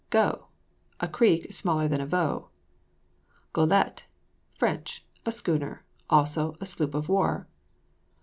GOE. A creek, smaller than a voe. GOELETTE [Fr.] A schooner. Also, a sloop of war.